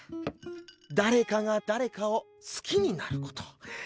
誰かが誰かを好きになること。